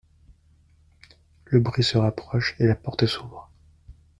Le bruit se rapproche et la porte s’ouvre.